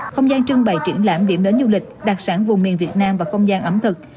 không gian trưng bày triển lãm điểm đến du lịch đặc sản vùng miền việt nam và không gian ẩm thực